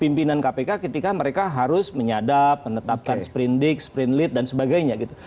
pimpinan kpk ketika mereka harus menyadap menetapkan sprint dig sprint lead dan sebagainya gitu